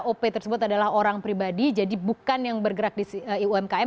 op tersebut adalah orang pribadi jadi bukan yang bergerak di umkm